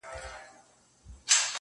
نه په خوله فریاد له سرولمبو لري!!